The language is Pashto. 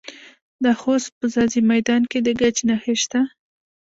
د خوست په ځاځي میدان کې د ګچ نښې شته.